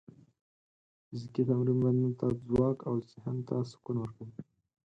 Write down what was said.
فزیکي تمرین بدن ته ځواک او ذهن ته سکون ورکوي.